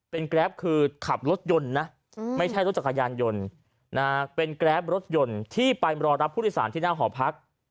เป็นแกรปคือขับรถยนต์นะไม่ใช่รถจักรยานยนต์เป็นแกรปรถยนต์ที่ไปรอรับผู้โดยสารที่หน้าหอพัก